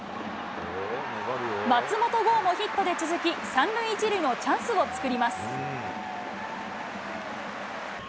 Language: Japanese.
松本剛もヒットで続き、３塁１塁のチャンスを作ります。